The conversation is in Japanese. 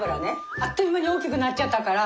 あっという間に大きくなっちゃったから。